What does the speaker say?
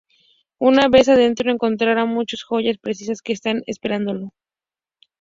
Una vez adentro, encontrará muchos joyas preciosas que estarán esperándolo.